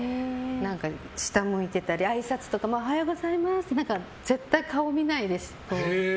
下向いてたりあいさつとかもおはようございますとか絶対、顔見ないです。